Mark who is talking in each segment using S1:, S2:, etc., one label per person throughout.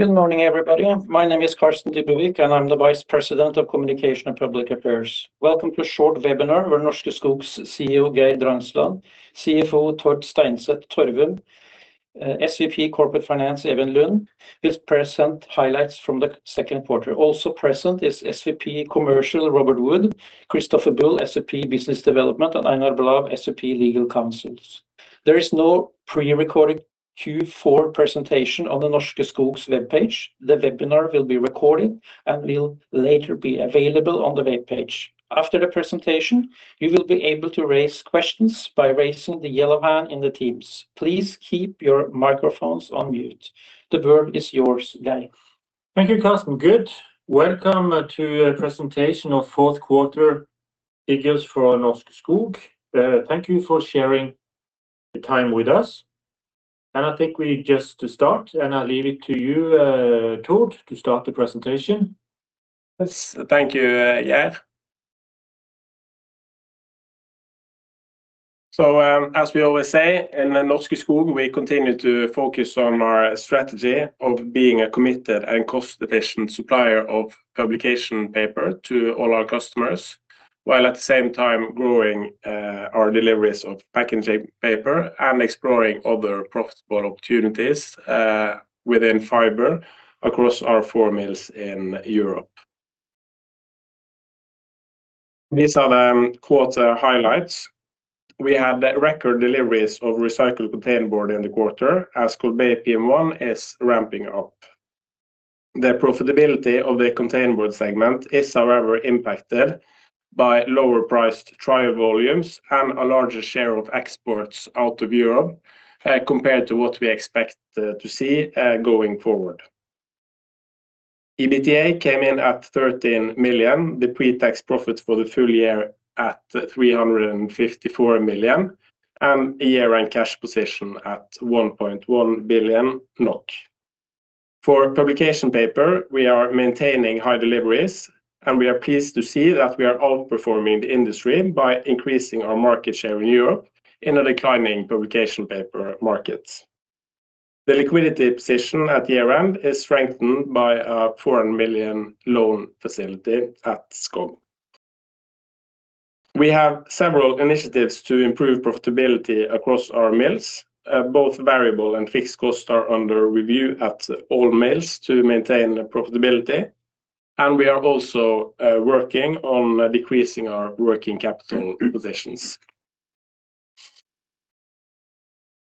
S1: Good morning, everybody. My name is Carsten Dybevig, and I'm the Vice President of Communication and Public Affairs. Welcome to a short webinar where Norske Skog's CEO, Geir Drangsland, CFO, Tord Steinset Torvund, SVP Corporate Finance, Even Lund, will present highlights from the second quarter. Also present is SVP Commercial, Robert Wood, Christoffer Bull, SVP Business Development, and Einar Blaauw, SVP Legal Counsel. There is no pre-recorded Q4 presentation on the Norske Skog's webpage. The webinar will be recorded and will later be available on the webpage. After the presentation, you will be able to raise questions by raising the yellow hand in the Teams. Please keep your microphones on mute. The floor is yours, Geir.
S2: Thank you, Carsten. Good. Welcome to a presentation of fourth quarter figures for Norske Skog. Thank you for sharing the time with us, and I think we just to start, and I'll leave it to you, Tord, to start the presentation.
S3: Yes, thank you, Geir. So, as we always say, in Norske Skog, we continue to focus on our strategy of being a committed and cost-efficient supplier of publication paper to all our customers, while at the same time growing our deliveries of packaging paper and exploring other profitable opportunities within fiber across our four mills in Europe. These are the quarter highlights. We had record deliveries of recycled containerboard in the quarter, as Golbey PM1 is ramping up. The profitability of the containerboard segment is, however, impacted by lower-priced trial volumes and a larger share of exports out of Europe compared to what we expect to see going forward. EBITDA came in at 13 million, the pre-tax profit for the full year at 354 million, and a year-end cash position at 1.1 billion NOK. For publication paper, we are maintaining high deliveries, and we are pleased to see that we are outperforming the industry by increasing our market share in Europe in a declining publication paper market. The liquidity position at year-end is strengthened by a 400 million loan facility at Skogn. We have several initiatives to improve profitability across our mills. Both variable and fixed costs are under review at all mills to maintain the profitability, and we are also working on decreasing our working capital positions.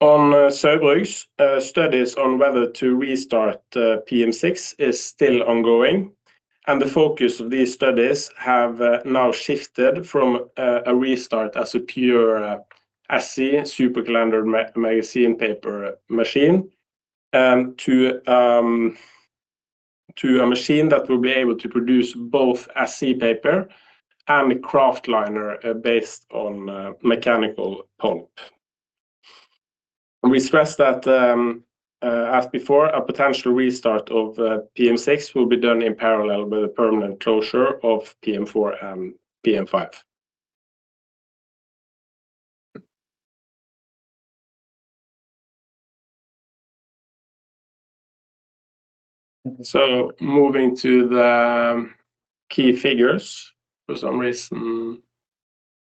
S3: On Saugbrugs, studies on whether to restart PM6 is still ongoing, and the focus of these studies have now shifted from a restart as a pure SC, supercalendered magazine paper machine, to a machine that will be able to produce both SC paper and kraftliner, based on mechanical pulp. We stress that, as before, a potential restart of PM6 will be done in parallel with a permanent closure of PM4 and PM5. So moving to the key figures. For some reason,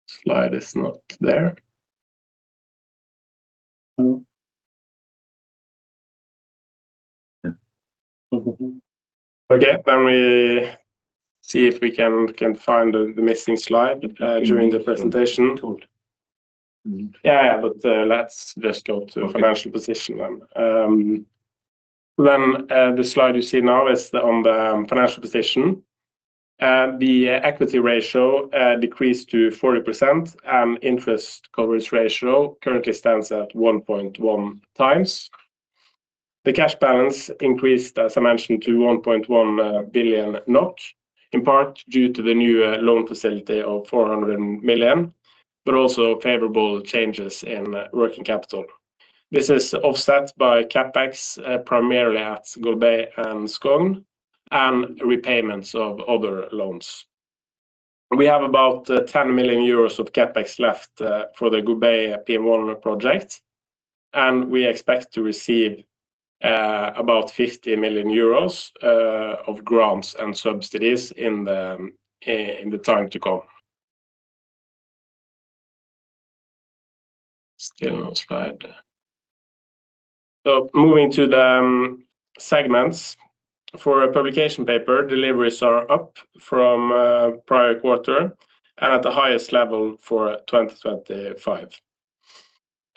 S3: slide is not there. Okay, then we see if we can find the missing slide during the presentation. Yeah, yeah, but, let's just go to financial position then. The slide you see now is on the financial position. The equity ratio decreased to 40%, and interest coverage ratio currently stands at 1.1 times. The cash balance increased, as I mentioned, to 1.1 billion NOK, in part due to the new loan facility of 400 million, but also favorable changes in working capital. This is offset by CapEx, primarily at Golbey and Skogn, and repayments of other loans. We have about 10 million euros of CapEx left for the Golbey PM1 project, and we expect to receive about 50 million euros of grants and subsidies in the time to come. Still no slide. So moving to the segments. For publication paper, deliveries are up from prior quarter and at the highest level for 2025.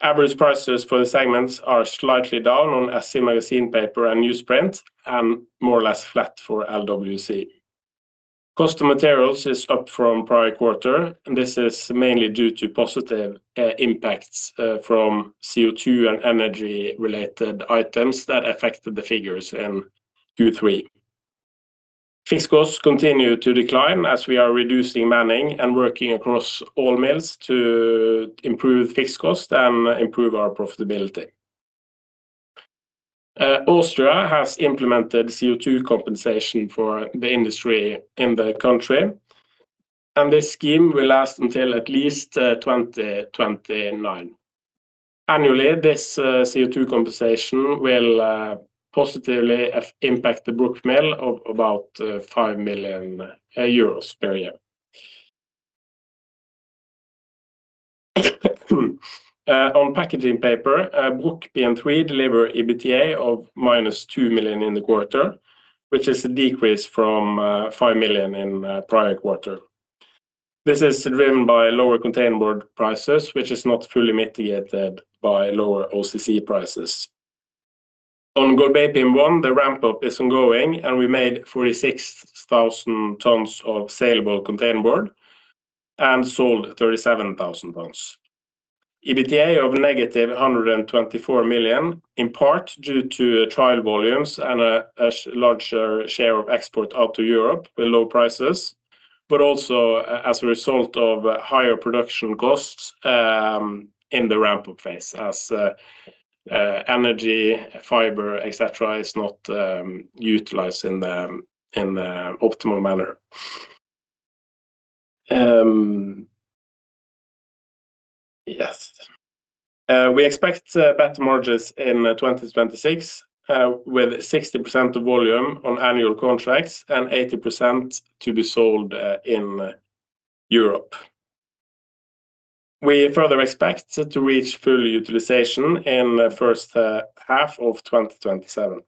S3: Average prices for the segments are slightly down on SC magazine paper and newsprint, and more or less flat for LWC. Cost of materials is up from prior quarter, and this is mainly due to positive impacts from CO2 and energy-related items that affected the figures in Q3. Fixed costs continue to decline as we are reducing manning and working across all mills to improve fixed cost and improve our profitability. Austria has implemented CO2 compensation for the industry in the country, and this scheme will last until at least 2029. Annually, this CO2 compensation will positively impact the Bruck mill of about 5 million euros per year. On packaging paper, Bruck PM3 deliver EBITDA of -2 million in the quarter, which is a decrease from five million in prior quarter. This is driven by lower containerboard prices, which is not fully mitigated by lower OCC prices. On Golbey PM1, the ramp-up is ongoing, and we made 46,000 tons of saleable containerboard and sold 37,000 tons. EBITDA of -124 million, in part, due to trial volumes and a larger share of export out to Europe with low prices, but also as a result of higher production costs in the ramp-up phase, as energy, fiber, et cetera, is not utilized in the optimal manner. We expect better margins in 2026 with 60% of volume on annual contracts and 80% to be sold in Europe. We further expect to reach full utilization in the first half of 2027.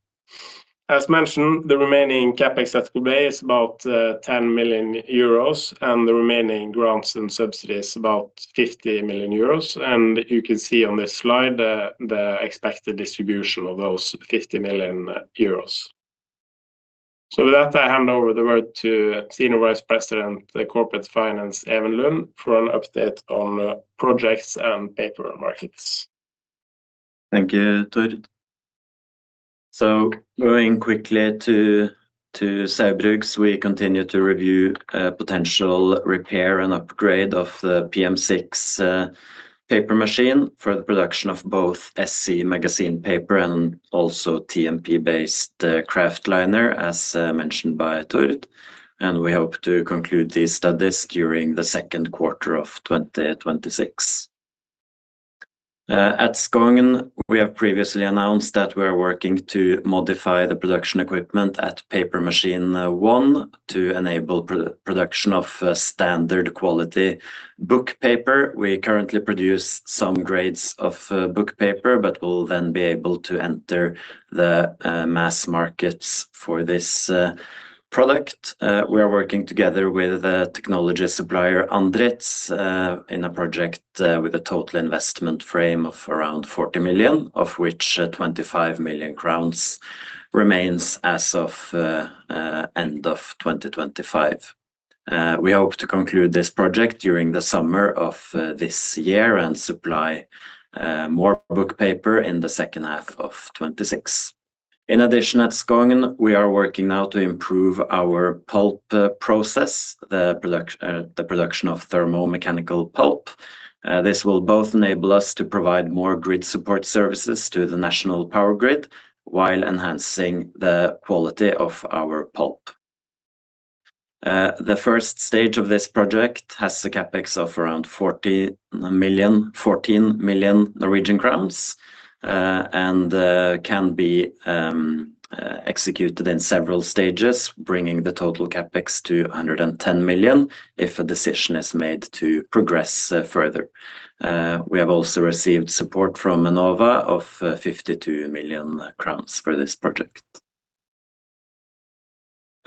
S3: As mentioned, the remaining CapEx at Golbey is about 10 million euros, and the remaining grants and subsidies, about 50 million euros. And you can see on this slide, the expected distribution of those 50 million euros. So with that, I hand over the word to Senior Vice President of Corporate Finance Even Lund for an update on projects and paper markets.
S4: Thank you, Tord. So going quickly to Saugbrugs, we continue to review potential repair and upgrade of the PM6 paper machine for the production of both SC magazine paper and also TMP-based kraftliner, as mentioned by Tord. We hope to conclude these studies during the second quarter of 2026. At Skogn, we have previously announced that we are working to modify the production equipment at paper machine 1, to enable production of standard quality book paper. We currently produce some grades of book paper, but we'll then be able to enter the mass markets for this product. We are working together with the technology supplier, Andritz, in a project with a total investment frame of around 40 million, of which 25 million crowns remains as of end of 2025. We hope to conclude this project during the summer of this year and supply more book paper in the second half of 2026. In addition, at Skogn, we are working now to improve our pulp process, the product, the production of thermomechanical pulp. This will both enable us to provide more grid support services to the national power grid while enhancing the quality of our pulp. The first stage of this project has a CapEx of around 14 million Norwegian crowns, and can be executed in several stages, bringing the total CapEx to 110 million if a decision is made to progress further. We have also received support from Enova of 52 million crowns for this project.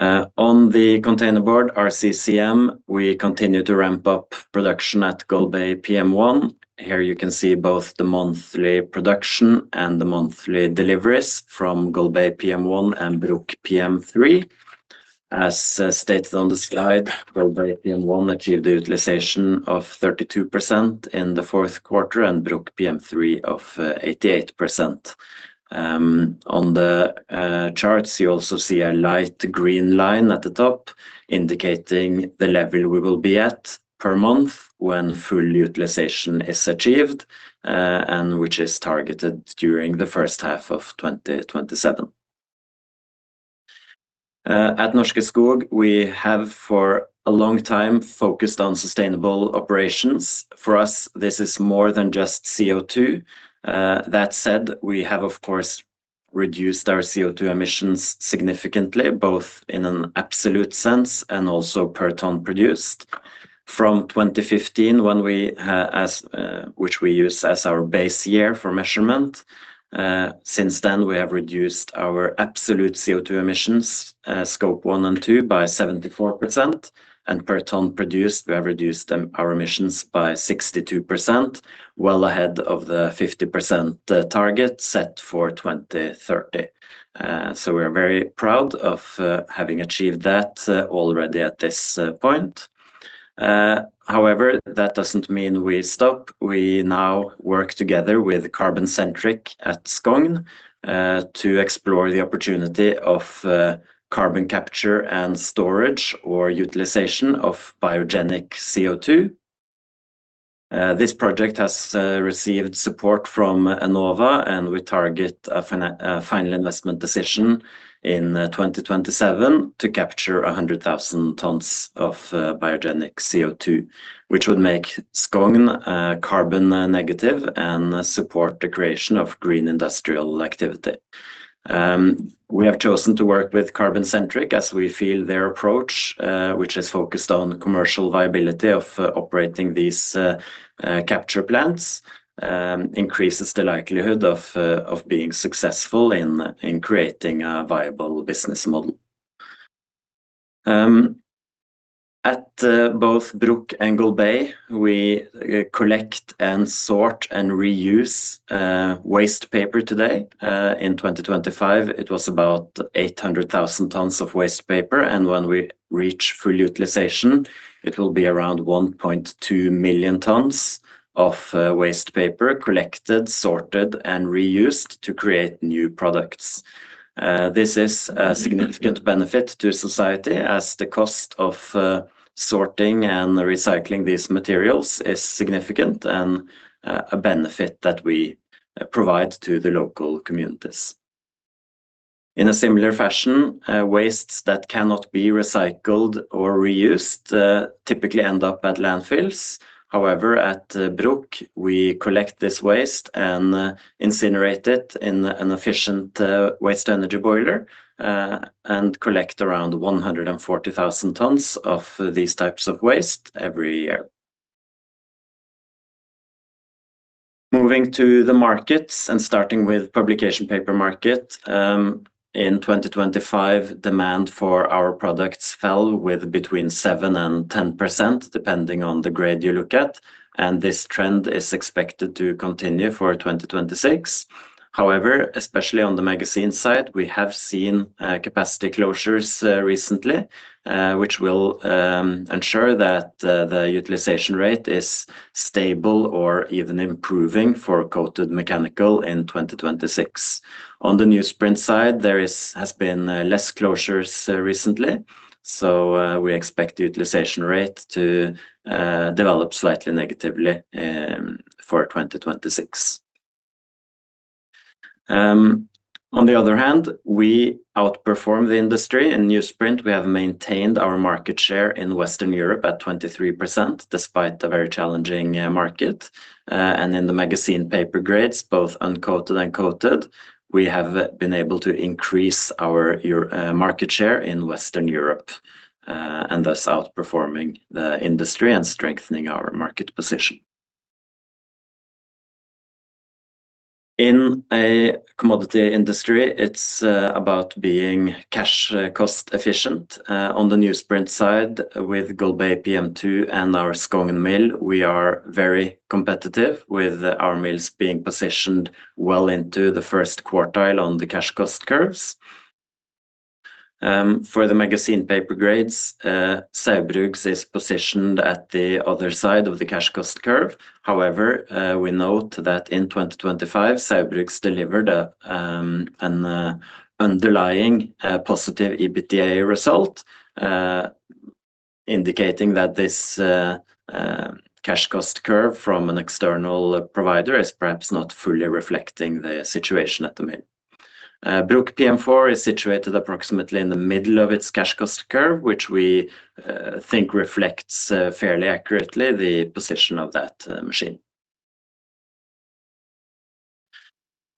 S4: On the containerboard, RCCM, we continue to ramp up production at Golbey PM1. Here, you can see both the monthly production and the monthly deliveries from Golbey PM1 and Bruck PM3. As stated on the slide, Golbey PM1 achieved the utilization of 32% in the fourth quarter, and Bruck PM3 of 88%. On the charts, you also see a light green line at the top, indicating the level we will be at per month when full utilization is achieved, and which is targeted during the first half of 2027. At Norske Skog, we have, for a long time, focused on sustainable operations. For us, this is more than just CO2. That said, we have, of course, reduced our CO2 emissions significantly, both in an absolute sense and also per ton produced. From 2015, which we use as our base year for measurement, since then, we have reduced our absolute CO2 emissions, Scope 1 and 2, by 74%, and per ton produced, we have reduced our emissions by 62%, well ahead of the 50% target set for 2030. So we're very proud of having achieved that already at this point. However, that doesn't mean we stop. We now work together with Carbon Centric at Skogn to explore the opportunity of carbon capture and storage or utilization of biogenic CO2. This project has received support from Enova, and we target a final investment decision in 2027 to capture 100,000 tons of biogenic CO2, which would make Skogn carbon negative and support the creation of green industrial activity. We have chosen to work with Carbon Centric as we feel their approach, which is focused on the commercial viability of operating these capture plants, increases the likelihood of being successful in creating a viable business model. At both Bruck and Golbey, we collect and sort and reuse wastepaper today. In 2025, it was about 800,000 tons of wastepaper, and when we reach full utilization, it will be around 1.2 million tons of wastepaper collected, sorted, and reused to create new products. This is a significant benefit to society, as the cost of sorting and recycling these materials is significant and a benefit that we provide to the local communities. In a similar fashion, wastes that cannot be recycled or reused typically end up at landfills. However, at Bruck, we collect this waste and incinerate it in an efficient waste-to-energy boiler and collect around 140,000 tons of these types of waste every year. Moving to the markets and starting with publication paper market, in 2025, demand for our products fell with between 7%-10%, depending on the grade you look at, and this trend is expected to continue for 2026. However, especially on the magazine side, we have seen capacity closures recently, which will ensure that the utilization rate is stable or even improving for coated mechanical in 2026. On the newsprint side, there has been less closures recently, so we expect the utilization rate to develop slightly negatively for 2026. On the other hand, we outperform the industry. In newsprint, we have maintained our market share in Western Europe at 23%, despite the very challenging market. And in the magazine paper grades, both uncoated and coated, we have been able to increase our market share in Western Europe, and thus outperforming the industry and strengthening our market position. In a commodity industry, it's about being cash cost efficient. On the newsprint side, with Golbey PM2 and our Skogn mill, we are very competitive, with our mills being positioned well into the first quartile on the cash cost curves. For the magazine paper grades, Saugbrugs is positioned at the other side of the cash cost curve. However, we note that in 2025, Saugbrugs delivered an underlying positive EBITDA result, indicating that this cash cost curve from an external provider is perhaps not fully reflecting the situation at the mill. Bruck PM4 is situated approximately in the middle of its cash cost curve, which we think reflects fairly accurately the position of that machine.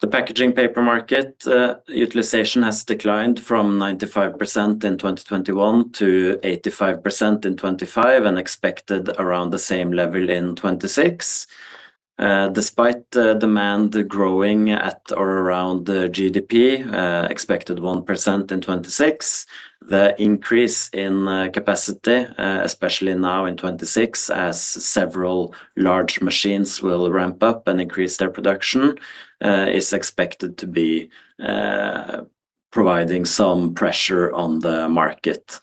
S4: The packaging paper market, utilization has declined from 95% in 2021 to 85% in 2025 and expected around the same level in 2026. Despite the demand growing at or around the GDP, expected 1% in 2026, the increase in, capacity, especially now in 2026, as several large machines will ramp up and increase their production, is expected to be, providing some pressure on the market.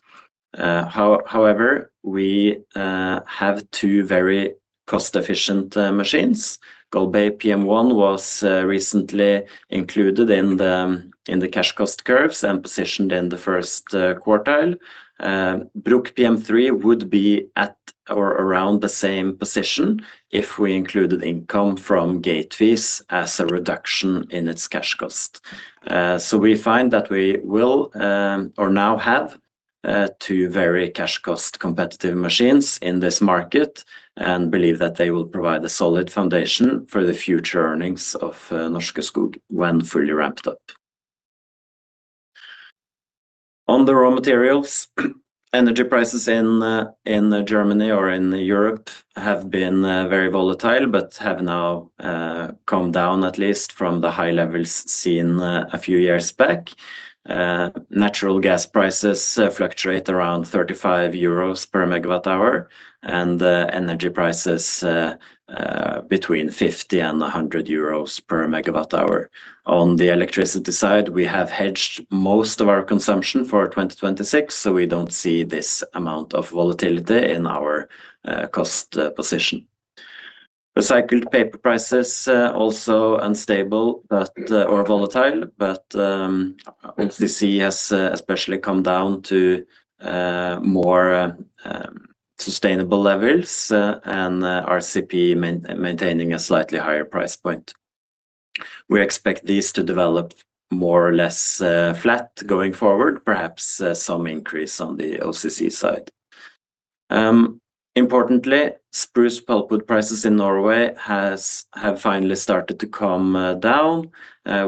S4: However, we have two very cost-efficient, machines. Golbey PM1 was, recently included in the, in the cash cost curves and positioned in the first, quartile. Bruck PM3 would be at or around the same position if we included income from gate fees as a reduction in its cash cost. So we find that we will, or now have, two very cash cost competitive machines in this market and believe that they will provide a solid foundation for the future earnings of Norske Skog when fully ramped up. On the raw materials, energy prices in, in Germany or in Europe have been, very volatile, but have now, come down, at least from the high levels seen, a few years back. Natural gas prices fluctuate around 35 euros per MWh, and the energy price is, between 50-100 euros per MWh. On the electricity side, we have hedged most of our consumption for 2026, so we don't see this amount of volatility in our, cost, position. Recycled paper prices, also unstable or volatile, but OCC has especially come down to more sustainable levels, and RCP maintaining a slightly higher price point. We expect these to develop more or less flat going forward, perhaps some increase on the OCC side. Importantly, spruce pulpwood prices in Norway have finally started to come down.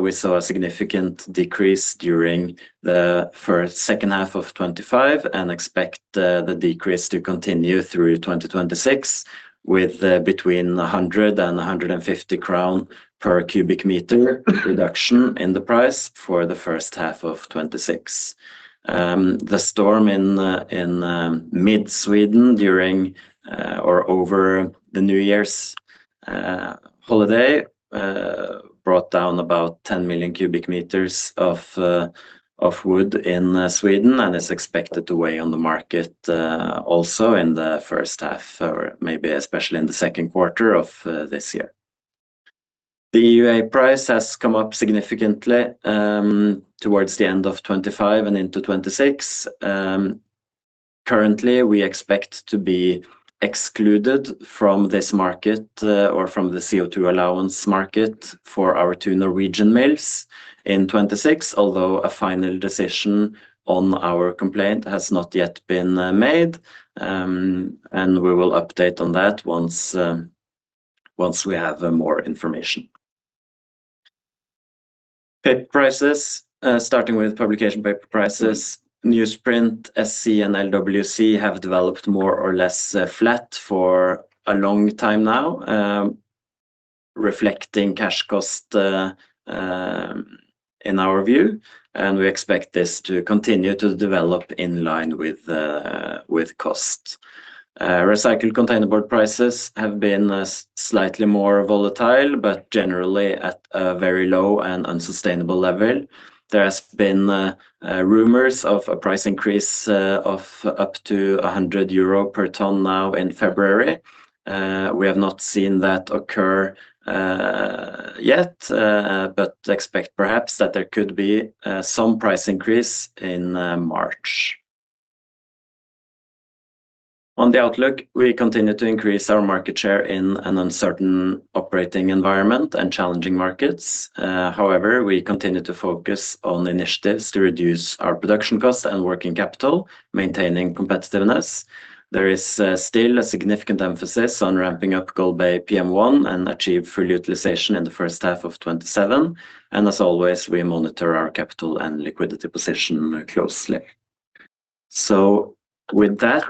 S4: We saw a significant decrease during the second half of 2025, and expect the decrease to continue through 2026, with between 100 and 150 crown per cubic meter reduction in the price for the first half of 2026. The storm in mid Sweden during or over the New Year's holiday brought down about 10 million cubic meters of wood in Sweden and is expected to weigh on the market also in the first half or maybe especially in the second quarter of this year. The EUA price has come up significantly towards the end of 2025 and into 2026. Currently, we expect to be excluded from this market or from the CO2 allowance market for our two Norwegian mills in 2026, although a final decision on our complaint has not yet been made. And we will update on that once we have more information. Paper prices, starting with publication paper prices, newsprint, SC and LWC have developed more or less flat for a long time now, reflecting cash cost in our view, and we expect this to continue to develop in line with with cost. Recycled containerboard prices have been slightly more volatile, but generally at a very low and unsustainable level. There has been rumors of a price increase of up to 100 euro per ton now in February. We have not seen that occur yet, but expect perhaps that there could be some price increase in March. On the outlook, we continue to increase our market share in an uncertain operating environment and challenging markets. However, we continue to focus on initiatives to reduce our production cost and working capital, maintaining competitiveness. There is still a significant emphasis on ramping up Golbey PM1 and achieve full utilization in the first half of 2027, and as always, we monitor our capital and liquidity position closely. So with that,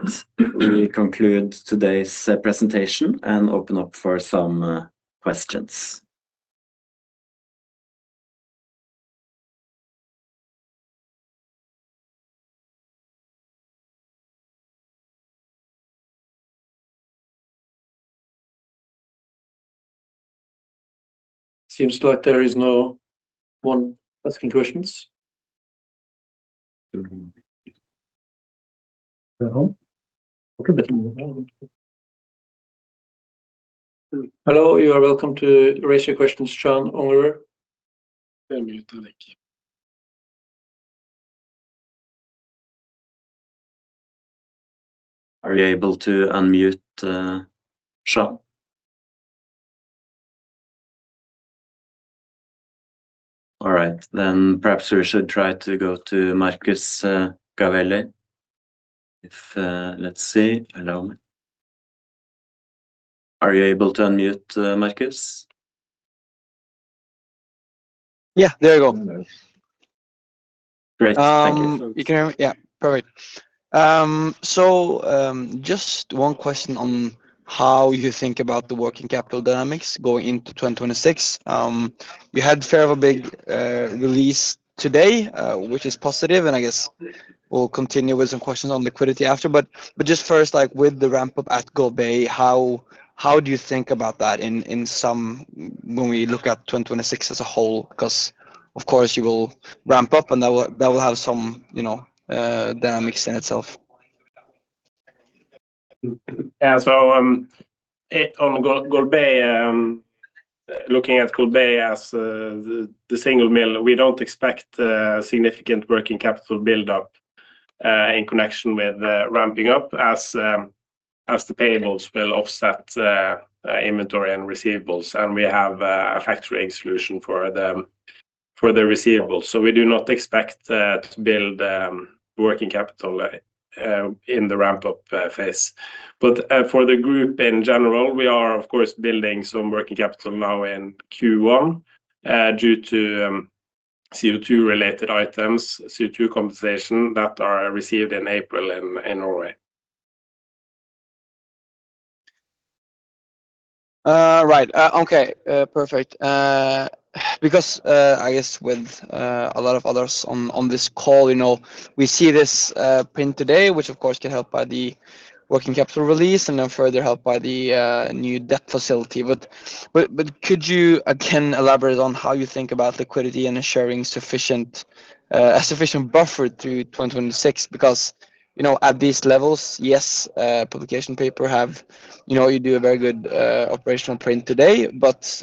S4: we conclude today's presentation and open up for some questions.
S3: Seems like there is no one asking questions. Hello, you are welcome to raise your questions, Sean Ungerer.
S4: Are you able to unmute Sean? All right, then perhaps we should try to go to Marcus Gavelli. Let's see. Allow me. Are you able to unmute Marcus?
S3: Yeah, there you go.
S4: Great. Thank you.
S5: You can hear me? Yeah, perfect. So, just one question on how you think about the working capital dynamics going into 2026. We had a fair bit of a big release today, which is positive, and I guess we'll continue with some questions on liquidity after. But just first, like with the ramp up at Golbey, how do you think about that when we look at 2026 as a whole? Because of course you will ramp up and that will have some, you know, dynamics in itself.
S3: Yeah. So, on Golbey, looking at Golbey as the single mill, we don't expect significant working capital build-up in connection with ramping up as the payables will offset inventory and receivables, and we have a factoring solution for the receivables. So we do not expect to build working capital in the ramp-up phase. But for the group in general, we are of course building some working capital now in Q1 due to CO2 related items, CO2 compensation that are received in April in Norway.
S5: Right. Okay, perfect. Because I guess with a lot of others on this call, you know, we see this print today, which of course can help by the working capital release and then further help by the new debt facility. But could you again elaborate on how you think about liquidity and ensuring sufficient buffer through 2026? Because, you know, at these levels, yes, publication paper have, you know, you do a very good operational print today, but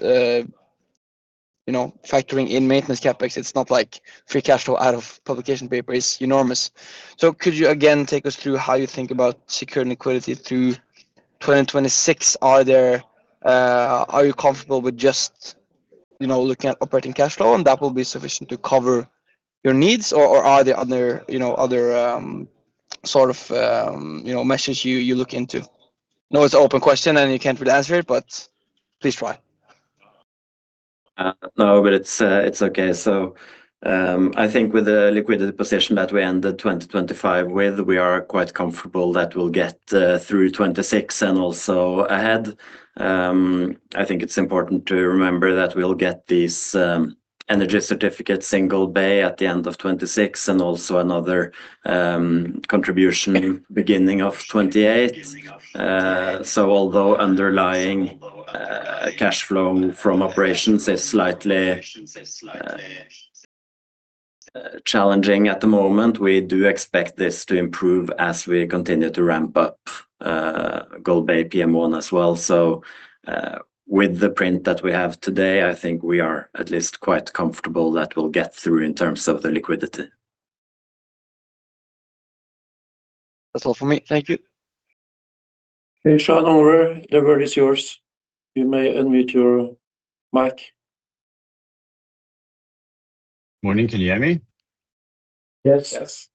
S5: you know, factoring in maintenance CapEx, it's not like free cash flow out of publication paper is enormous. So could you again take us through how you think about securing liquidity through 2026, are you comfortable with just, you know, looking at operating cash flow, and that will be sufficient to cover your needs? Or are there other, you know, other sort of you know measures you look into? I know it's an open question, and you can't really answer it, but please try.
S4: No, but it's okay. So, I think with the liquidity position that we ended 2025 with, we are quite comfortable that we'll get through 2026 and also ahead. I think it's important to remember that we'll get these energy certificates in Golbey at the end of 2026 and also another contribution beginning of 2028. So although underlying cash flow from operations is slightly challenging at the moment, we do expect this to improve as we continue to ramp up Golbey PM1 as well. So, with the print that we have today, I think we are at least quite comfortable that we'll get through in terms of the liquidity.
S5: That's all for me. Thank you.
S1: Okay, Sean Ungerer, the floor is yours. You may unmute your mic.
S6: Morning. Can you hear me?
S1: Yes.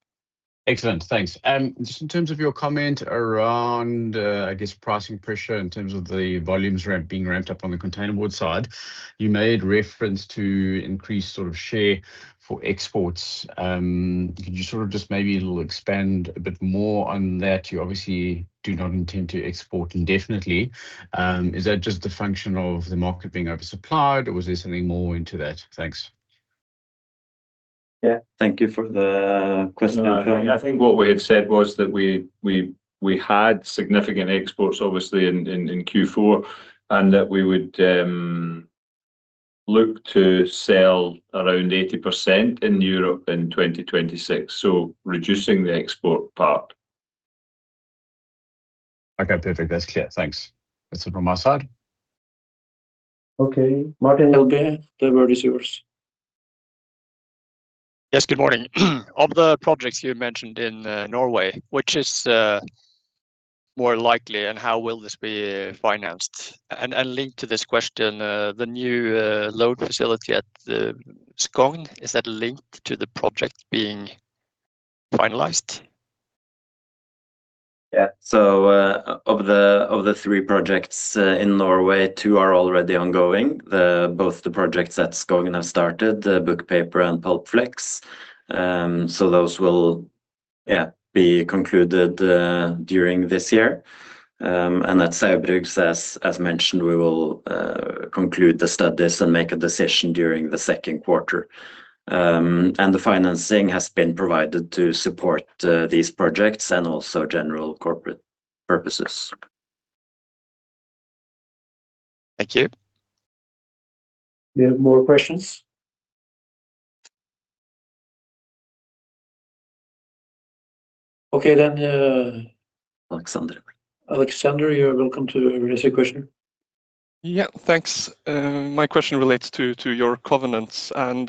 S6: Excellent. Thanks. Just in terms of your comment around, I guess, pricing pressure in terms of the volumes being ramped up on the containerboard side, you made reference to increased sort of share for exports. Could you sort of just maybe a little expand a bit more on that? You obviously do not intend to export indefinitely. Is that just a function of the market being oversupplied, or was there something more into that? Thanks.
S4: Yeah, thank you for the question.
S7: I think what we had said was that we had significant exports, obviously in Q4, and that we would look to sell around 80% in Europe in 2026, so reducing the export part.
S6: Okay, perfect. That's clear. Thanks. That's it from my side.
S1: Okay, Martin Melbye, the floor is yours.
S8: Yes, good morning. Of the projects you mentioned in Norway, which is more likely, and how will this be financed? And linked to this question, the new loan facility at the Skogn, is that linked to the project being finalized?
S4: Yeah. So, of the three projects in Norway, two are already ongoing. Both the projects at Skogn have started, the book paper and PulpFlex. So those will, yeah, be concluded during this year. And at Saugbrugs, as mentioned, we will conclude the studies and make a decision during the second quarter. And the financing has been provided to support these projects and also general corporate purposes.
S8: Thank you.
S1: Do you have more questions? Okay, then.
S4: Alexander.
S2: Alexander, you are welcome to raise your question.
S9: Yeah, thanks. My question relates to your covenants, and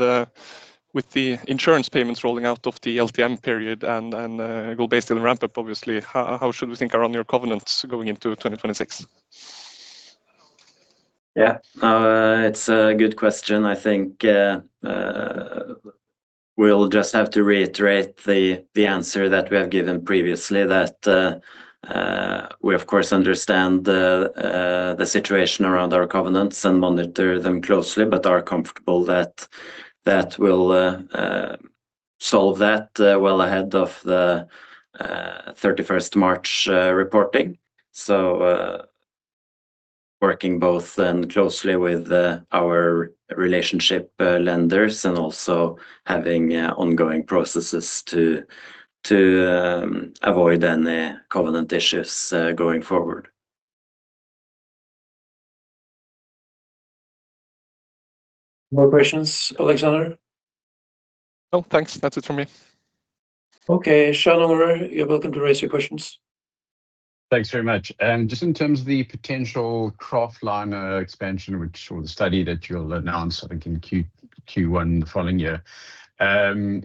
S9: with the insurance payments rolling out of the LTM period and based on the ramp-up, obviously, how should we think around your covenants going into 2026?
S4: Yeah. It's a good question. I think we'll just have to reiterate the answer that we have given previously. That we, of course, understand the situation around our covenants and monitor them closely, but are comfortable that we'll solve that well ahead of the thirty-first March reporting. So, working both and closely with our relationship lenders, and also having ongoing processes to avoid any covenant issues going forward.
S1: More questions, Alexander?
S9: No, thanks. That's it from me.
S1: Okay, Sean Ungerer, you're welcome to raise your questions.
S6: Thanks very much. Just in terms of the potential Kraftliner expansion, which sort of study that you'll announce, I think, in Q1 the following year,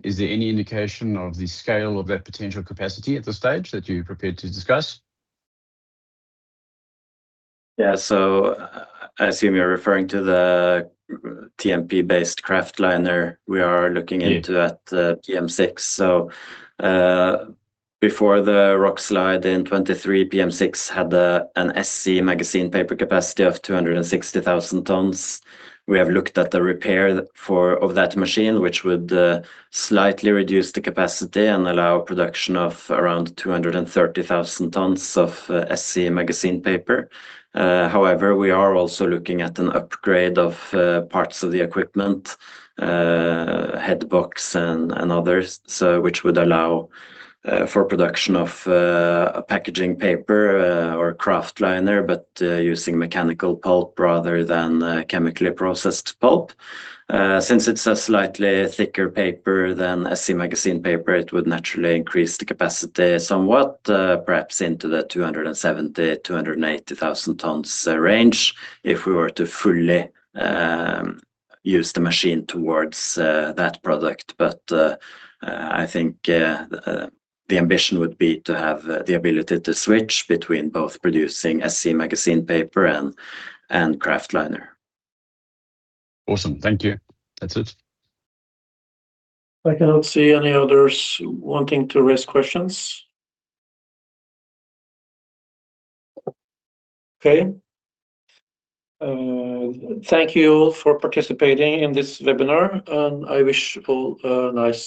S6: is there any indication of the scale of that potential capacity at this stage that you're prepared to discuss?
S4: Yeah. So I assume you're referring to the TMP-based kraftliner we are looking into at PM6. So, before the rock slide in 2023, PM6 had an SC magazine paper capacity of 260,000 tons. We have looked at the repair of that machine, which would slightly reduce the capacity and allow production of around 230,000 tons of SC magazine paper. However, we are also looking at an upgrade of parts of the equipment, headbox and others, so which would allow for production of a packaging paper or a kraftliner, but using mechanical pulp rather than chemically processed pulp. Since it's a slightly thicker paper than SC magazine paper, it would naturally increase the capacity somewhat, perhaps into the 270,000-280,000 tons range, if we were to fully use the machine towards that product. But I think the ambition would be to have the ability to switch between both producing SC magazine paper and Kraftliner.
S6: Awesome. Thank you. That's it.
S1: I cannot see any others wanting to raise questions. Okay. Thank you all for participating in this webinar, and I wish you all a nice day.